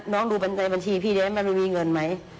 น้องรู้ในบัญชีพี่นี้มันมีเงินมั้ย